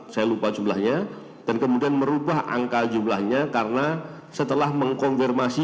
saya lupa jumlahnya dan kemudian merubah angka jumlahnya karena setelah mengkonfirmasi